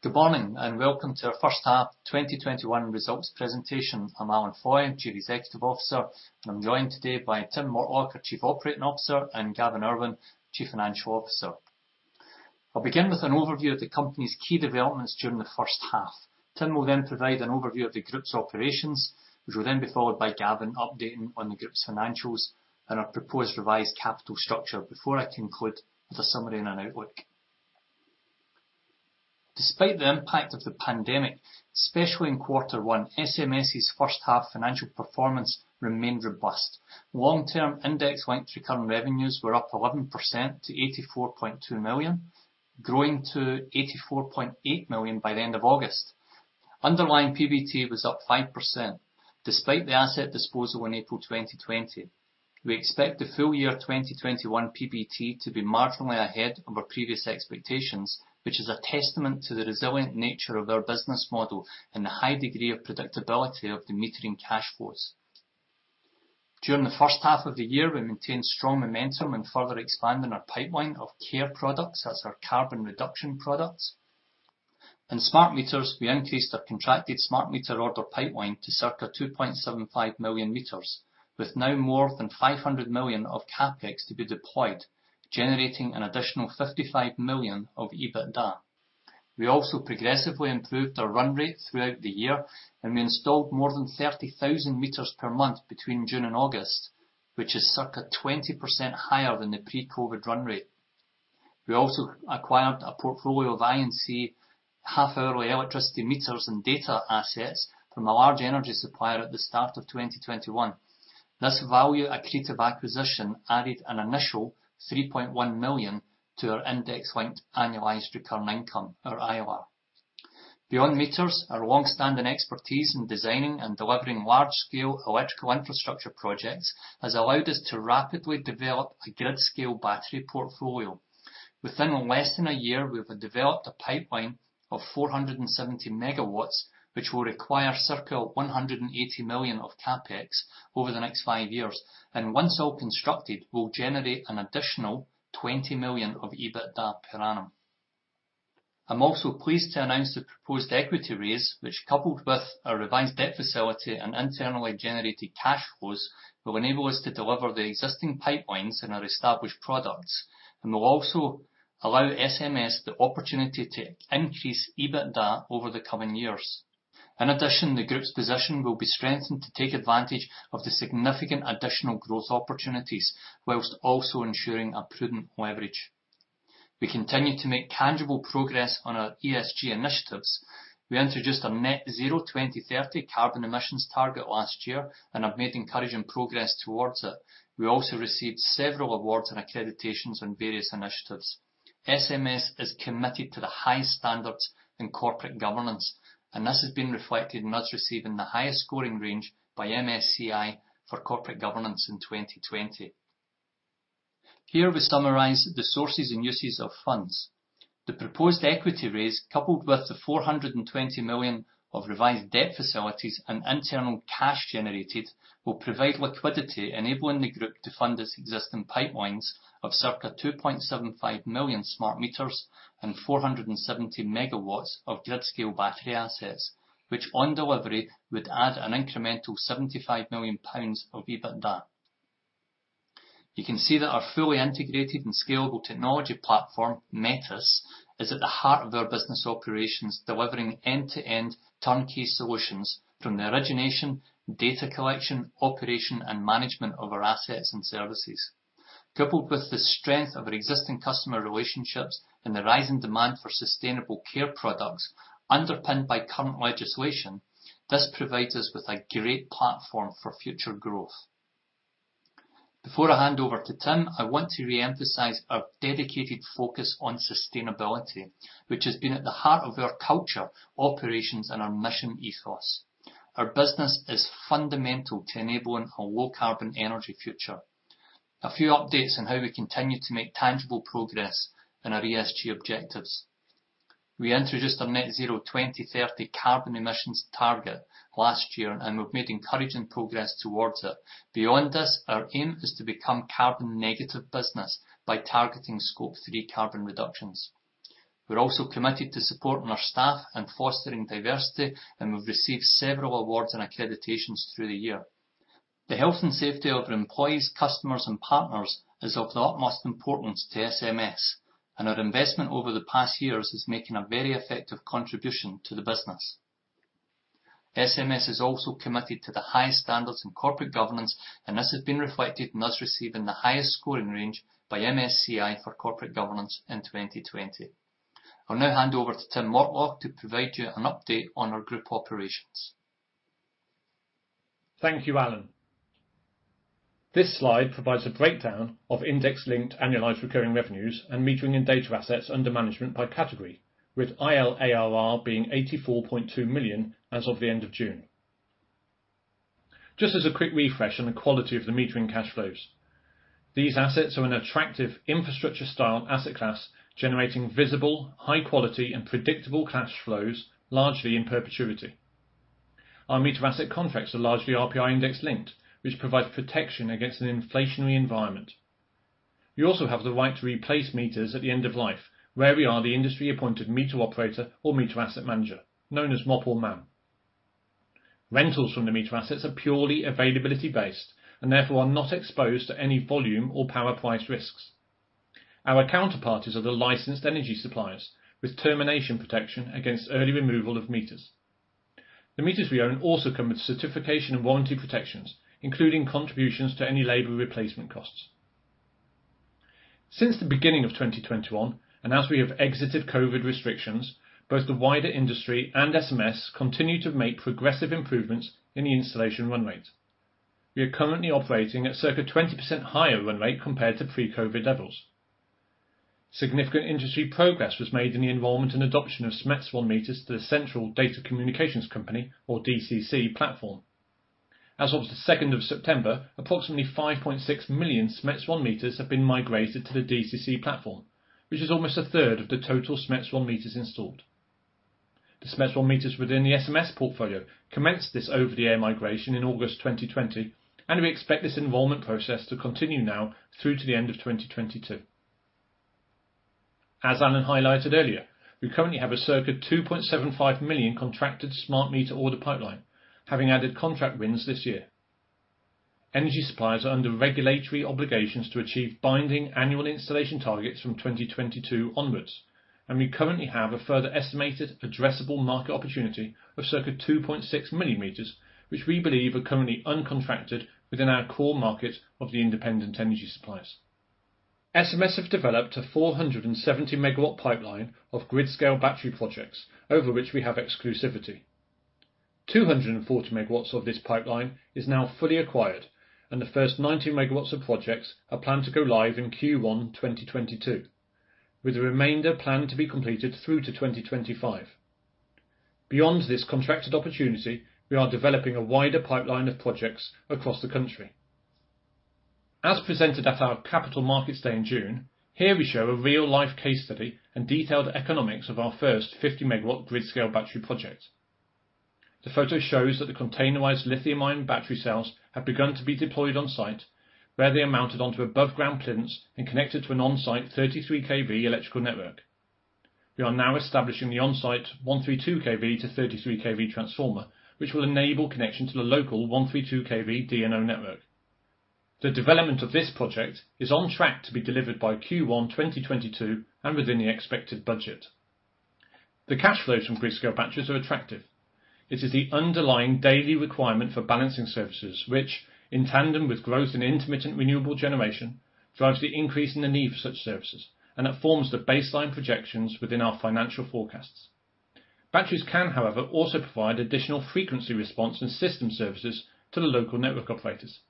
Good morning, and welcome to our first half 2021 results presentation. I'm Alan Foy, Chief Executive Officer, I'm joined today by Tim Mortlock, our Chief Operating Officer, and Gavin Urwin, Chief Financial Officer. I'll begin with an overview of the company's key developments during the first half. Tim will then provide an overview of the group's operations, which will then be followed by Gavin updating on the group's financials and our proposed revised capital structure before I conclude with a summary and an outlook. Despite the impact of the pandemic, especially in quarter one, SMS's first half financial performance remained robust. Long-term index-linked recurring revenues were up 11% to 84.2 million, growing to 84.8 million by the end of August. Underlying PBT was up 5%, despite the asset disposal in April 2020. We expect the full year 2021 PBT to be marginally ahead of our previous expectations, which is a testament to the resilient nature of our business model and the high degree of predictability of the metering cash flows. During the first half of the year, we maintained strong momentum in further expanding our pipeline of CaRe products, that's our Carbon Reduction products. In smart meters, we increased our contracted smart meter order pipeline to circa 2.75 million meters, with now more than 500 million of CapEx to be deployed, generating an additional 55 million of EBITDA. We also progressively improved our run rate throughout the year, and we installed more than 30,000 meters per month between June and August, which is circa 20% higher than the pre-COVID run rate. We also acquired a portfolio of I&C half-hourly electricity meters and data assets from a large energy supplier at the start of 2021. This value accretive acquisition added an initial 3.1 million to our index linked annualized recurring income, or ILARR. Beyond meters, our long-standing expertise in designing and delivering large scale electrical infrastructure projects has allowed us to rapidly develop a grid scale battery portfolio. Within less than a year, we have developed a pipeline of 470 MW, which will require circa 180 million of CapEx over the next five years. Once all constructed, will generate an additional 20 million of EBITDA per annum. I'm also pleased to announce the proposed equity raise, which coupled with our revised debt facility and internally generated cash flows, will enable us to deliver the existing pipelines in our established products, and will also allow SMS the opportunity to increase EBITDA over the coming years. The group's position will be strengthened to take advantage of the significant additional growth opportunities while also ensuring a prudent leverage. We continue to make tangible progress on our ESG initiatives. We introduced our Net Zero 2030 carbon emissions target last year and have made encouraging progress towards it. We also received several awards and accreditations on various initiatives. SMS is committed to the highest standards in corporate governance, and this has been reflected in us receiving the highest scoring range by MSCI for corporate governance in 2020. Here we summarize the sources and uses of funds. The proposed equity raise, coupled with the 420 million of revised debt facilities and internal cash generated, will provide liquidity enabling the group to fund its existing pipelines of circa 2.75 million smart meters and 470 MW of grid scale battery assets, which on delivery would add an incremental GBP 75 million of EBITDA. You can see that our fully integrated and scalable technology platform, Metis, is at the heart of our business operations, delivering end-to-end turnkey solutions from the origination, data collection, operation, and management of our assets and services. Coupled with the strength of our existing customer relationships and the rising demand for sustainable CaRe products underpinned by current legislation, this provides us with a great platform for future growth. Before I hand over to Tim, I want to reemphasize our dedicated focus on sustainability, which has been at the heart of our culture, operations, and our mission ethos. Our business is fundamental to enabling a low carbon energy future. A few updates on how we continue to make tangible progress in our ESG objectives. We introduced our Net Zero 2030 carbon emissions target last year, and we've made encouraging progress towards it. Beyond this, our aim is to become carbon negative business by targeting Scope 3 Carbon Reductions. We're also committed to supporting our staff and fostering diversity, and we've received several awards and accreditations through the year. The health and safety of our employees, customers, and partners is of the utmost importance to SMS, and our investment over the past years is making a very effective contribution to the business. SMS is also committed to the highest standards in corporate governance, and this has been reflected in us receiving the highest scoring range by MSCI for corporate governance in 2020. I'll now hand over to Tim Mortlock to provide you an update on our group operations. Thank you, Alan. This slide provides a breakdown of index-linked annual recurring revenues and metering in data assets under management by category, with ILARR being 84.2 million as of the end of June. Just as a quick refresh on the quality of the metering cash flows. These assets are an attractive infrastructure-style asset class, generating visible, high-quality, and predictable cash flows largely in perpetuity. Our meter asset contracts are largely RPI index-linked, which provides protection against an inflationary environment. We also have the right to replace meters at the end of life, where we are the industry-appointed Meter Operator or Meter Asset Manager, known as MOP or MAM. Rentals from the meter assets are purely availability-based and therefore are not exposed to any volume or power-price risks. Our counterparties are the licensed energy suppliers with termination protection against early removal of meters. The meters we own also come with certification and warranty protections, including contributions to any labor replacement costs. Since the beginning of 2021, and as we have exited COVID restrictions, both the wider industry and SMS continue to make progressive improvements in the installation run rate. We are currently operating at circa 20% higher run rate compared to pre-COVID levels. Significant industry progress was made in the enrolment and adoption of SMETS1 meters to the central Data Communications Company, or DCC, platform. As of the 2nd of September, approximately 5.6 million SMETS1 meters have been migrated to the DCC platform, which is almost a third of the total SMETS1 meters installed. The SMETS1 meters within the SMS portfolio commenced this over-the-air migration in August 2020, and we expect this enrolment process to continue now through to the end of 2022. As Alan highlighted earlier, we currently have a circa 2.75 million contracted smart meter order pipeline, having added contract wins this year. Energy suppliers are under regulatory obligations to achieve binding annual installation targets from 2022 onwards, and we currently have a further estimated addressable market opportunity of circa 2.6 million meters, which we believe are currently uncontracted within our core market of the independent energy suppliers. SMS have developed a 470 MW pipeline of grid-scale battery projects, over which we have exclusivity. 240 MW of this pipeline is now fully acquired, and the first 90 MW of projects are planned to go live in Q1 2022, with the remainder planned to be completed through to 2025. Beyond this contracted opportunity, we are developing a wider pipeline of projects across the country. As presented at our Capital Markets Day in June, here we show a real-life case study and detailed economics of our first 50 MW grid-scale battery project. The photo shows that the containerized lithium-ion battery cells have begun to be deployed on site, where they are mounted onto aboveground plinths and connected to an on-site 33 kV electrical network. We are now establishing the on-site 132 kV to 33 kV transformer, which will enable connection to the local 132 kV DNO network. The development of this project is on track to be delivered by Q1 2022 and within the expected budget. The cash flows from grid-scale batteries are attractive. It is the underlying daily requirement for balancing services, which, in tandem with growth in intermittent renewable generation, drives the increase in the need for such services, and it forms the baseline projections within our financial forecasts. Batteries can, however, also provide additional frequency response and system services to the local network operators,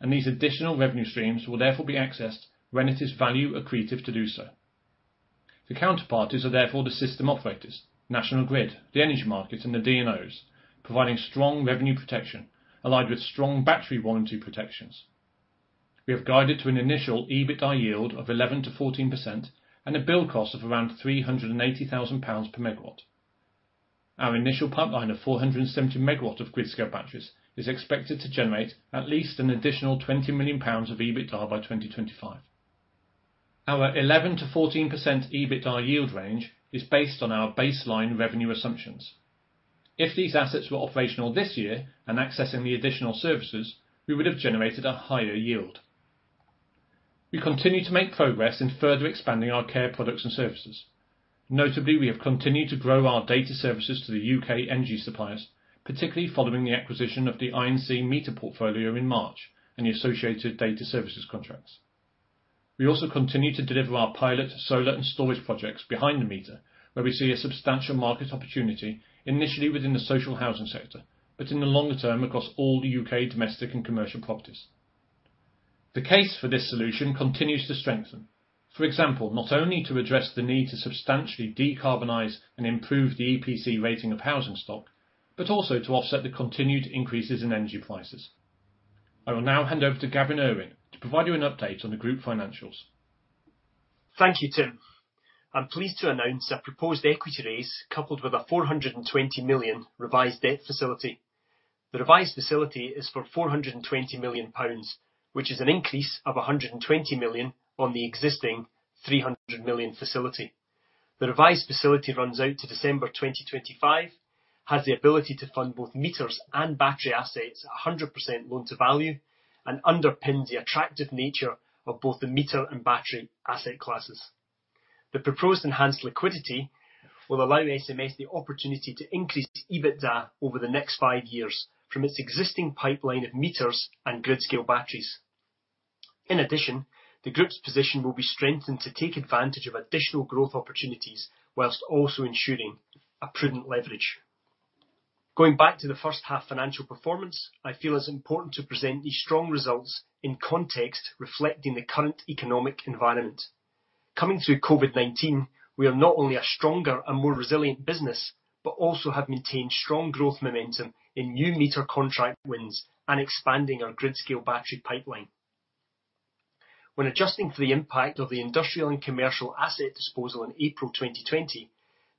and these additional revenue streams will therefore be accessed when it is value accretive to do so. The counterparties are therefore the system operators, National Grid, the energy markets, and the DNOs, providing strong revenue protection allied with strong battery warranty protections. We have guided to an initial EBITDA yield of 11%-14% and a bill cost of around 380,000 pounds per megawatt. Our initial pipeline of 470 MW of grid-scale batteries is expected to generate at least an additional 20 million pounds of EBITDA by 2025. Our 11%-14% EBITDA yield range is based on our baseline revenue assumptions. If these assets were operational this year and accessing the additional services, we would have generated a higher yield. We continue to make progress in further expanding our CaRe products and services. Notably, we have continued to grow our data services to the U.K. energy suppliers, particularly following the acquisition of the I&C meter portfolio in March and the associated data services contracts. We also continue to deliver our pilot solar and storage projects behind the meter, where we see a substantial market opportunity initially within the social housing sector, but in the longer term, across all the U.K. domestic and commercial properties. The case for this solution continues to strengthen. For example, not only to address the need to substantially decarbonize and improve the EPC rating of housing stock, but also to offset the continued increases in energy prices. I will now hand over to Gavin Urwin to provide you an update on the group financials. Thank you, Tim. I'm pleased to announce our proposed equity raise, coupled with a 420 million revised debt facility. The revised facility is for 420 million pounds, which is an increase of 120 million on the existing 300 million facility. The revised facility runs out to December 2025, has the ability to fund both meters and battery assets 100% loan to value, and underpins the attractive nature of both the meter and battery asset classes. The proposed enhanced liquidity will allow SMS the opportunity to increase EBITDA over the next five years from its existing pipeline of meters and grid-scale batteries. In addition, the group's position will be strengthened to take advantage of additional growth opportunities whilst also ensuring a prudent leverage. Going back to the first half financial performance, I feel it's important to present these strong results in context reflecting the current economic environment. Coming through COVID-19, we are not only a stronger and more resilient business, but also have maintained strong growth momentum in new meter contract wins and expanding our grid-scale battery pipeline. When adjusting for the impact of the industrial and commercial asset disposal in April 2020,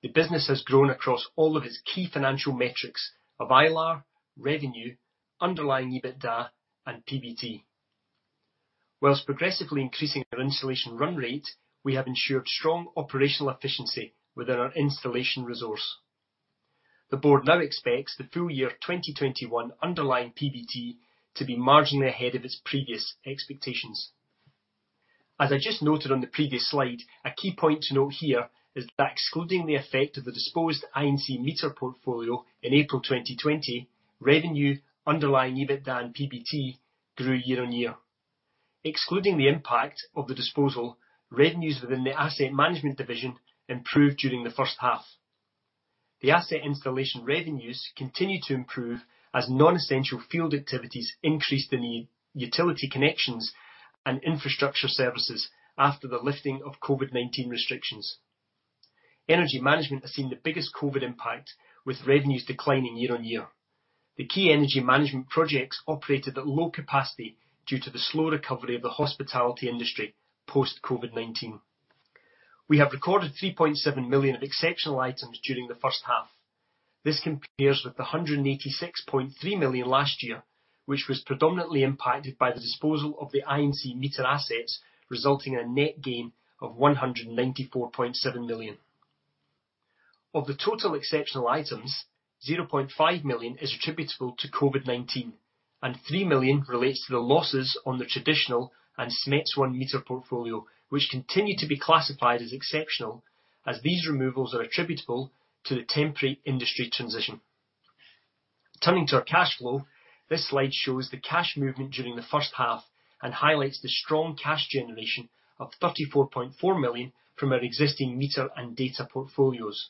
the business has grown across all of its key financial metrics of ILARR, revenue, underlying EBITDA, and PBT. Whilst progressively increasing our installation run rate, we have ensured strong operational efficiency within our installation resource. The board now expects the full year 2021 underlying PBT to be marginally ahead of its previous expectations. As I just noted on the previous slide, a key point to note here is that excluding the effect of the disposed I&C meter portfolio in April 2020, revenue underlying EBITDA and PBT grew year-on-year. Excluding the impact of the disposal, revenues within the asset management division improved during the first half. The asset installation revenues continued to improve as non-essential field activities increased in utility connections and infrastructure services after the lifting of COVID-19 restrictions. Energy management has seen the biggest COVID impact, with revenues declining year-on-year. The key energy management projects operated at low capacity due to the slow recovery of the hospitality industry post-COVID-19. We have recorded 3.7 million of exceptional items during the first half. This compares with the 186.3 million last year, which was predominantly impacted by the disposal of the I&C meter assets, resulting in a net gain of 194.7 million. Of the total exceptional items, 0.5 million is attributable to COVID-19, and 3 million relates to the losses on the traditional and SMETS1 meter portfolio, which continue to be classified as exceptional, as these removals are attributable to the temporary industry transition. Turning to our cash flow, this slide shows the cash movement during the first half and highlights the strong cash generation of 34.4 million from our existing meter and data portfolios.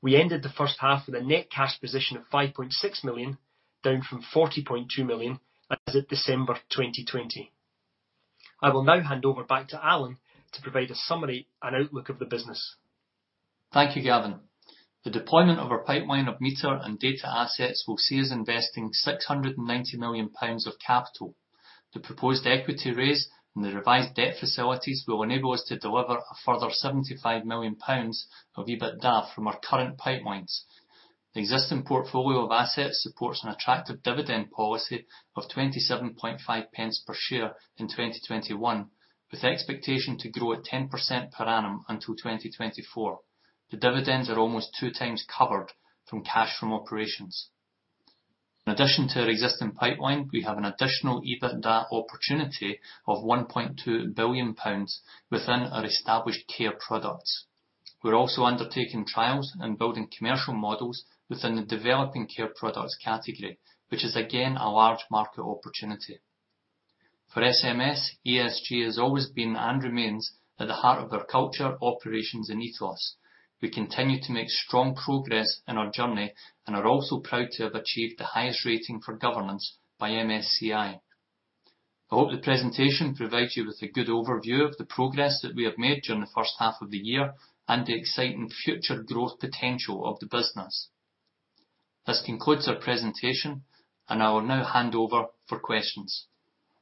We ended the first half with a net cash position of 5.6 million, down from 40.2 million as of December 2020. I will now hand over back to Alan to provide a summary and outlook of the business. Thank you, Gavin. The deployment of our pipeline of meter and data assets will see us investing 690 million pounds of capital. The proposed equity raise and the revised debt facilities will enable us to deliver a further 75 million pounds of EBITDA from our current pipelines. The existing portfolio of assets supports an attractive dividend policy of 0.275 per share in 2021, with the expectation to grow at 10% per annum until 2024. The dividends are almost two times covered from cash from operations. In addition to our existing pipeline, we have an additional EBITDA opportunity of 1.2 billion pounds within our established CARE products. We are also undertaking trials and building commercial models within the developing CARE products category, which is, again, a large market opportunity. For SMS, ESG has always been and remains at the heart of our culture, operations, and ethos. We continue to make strong progress in our journey and are also proud to have achieved the highest rating for governance by MSCI. I hope the presentation provides you with a good overview of the progress that we have made during the first half of the year and the exciting future growth potential of the business. This concludes our presentation, and I will now hand over for questions.